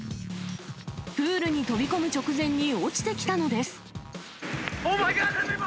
プールに飛び込む直前に落ちてきたのです。